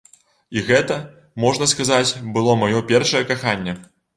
І гэта, можна сказаць, было маё першае каханне.